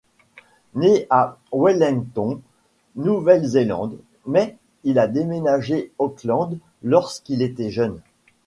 Né à Wellington, Nouvelle-Zélande mais il a déménagé Auckland lorsqu'il était jeune.